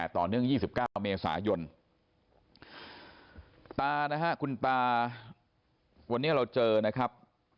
ต่อเนื่อง๒๙เมษายนตานะฮะคุณตาวันนี้เราเจอนะครับ